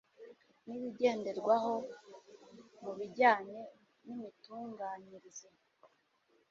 n ibigenderwaho mu bijyanye n imitunganyirize